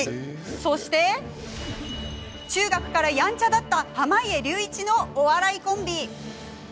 そして中学からやんちゃだった濱家隆一のお笑いコンビ。